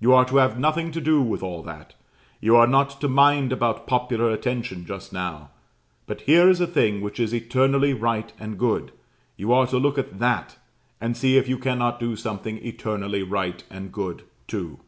You are to have nothing to do with all that; you are not to mind about popular attention just now; but here is a thing which is eternally right and good: you are to look at that, and see if you cannot do something eternally right and good too."